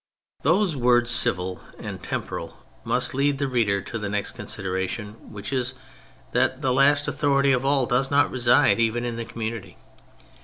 Those words " civil " and " temporal " must lead the reader to the next considera tion; which is, that the last authority of all does not reside even in the community.